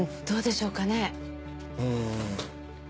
どうでしょうかね。